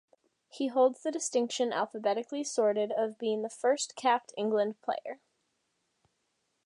He holds the distinction, alphabetically sorted, of being the first capped England player.